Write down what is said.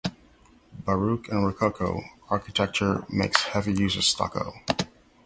Baroque and Rococo architecture makes heavy use of stucco.